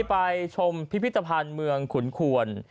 ไปชมพิพิธภัณฑ์เมืองขุนควน